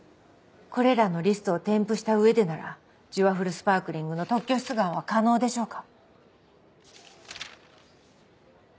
これらのリストを添付した上でなら「ジュワフルスパークリング」の特許出願は可能でしょうか？